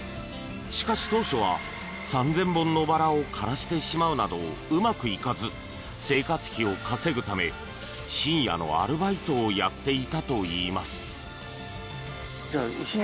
しかし、当初は３０００本のバラを枯らしてしまうなどうまくいかず生活費を稼ぐため深夜のアルバイトをやっていたといいます。